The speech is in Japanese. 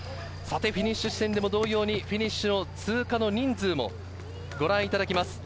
フィニッシュ地点でも同様に、フィニッシュを通過の人数もご覧いただきます。